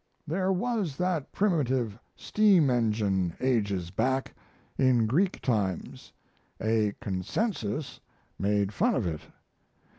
There was that primitive steam engine ages back, in Greek times: a Consensus made fun of it.